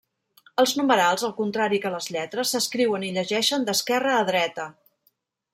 Els numerals, al contrari que les lletres, s'escriuen i llegeixen d'esquerra a dreta.